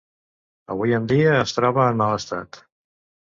Avui en dia es troba en mal estat.